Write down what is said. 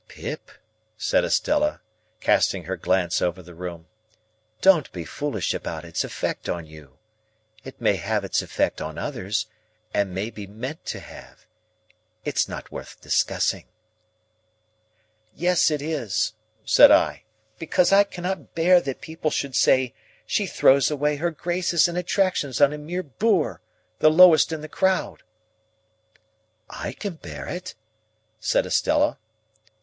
"Pip," said Estella, casting her glance over the room, "don't be foolish about its effect on you. It may have its effect on others, and may be meant to have. It's not worth discussing." "Yes it is," said I, "because I cannot bear that people should say, 'she throws away her graces and attractions on a mere boor, the lowest in the crowd.'" "I can bear it," said Estella.